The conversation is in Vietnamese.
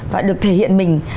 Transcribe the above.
và được thể hiện mình